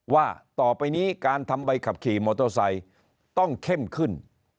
ว่าต่อไปนี้การทำใบขับขี่มอเตอร์ไซค์ต้องเข้มขึ้น